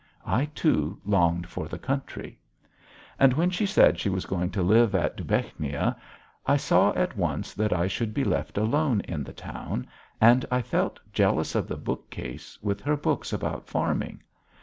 I too longed for the country. And when she said she was going to live at Dubechnia, I saw at once that I should be left alone in the town, and I felt jealous of the bookcase with her books about farming.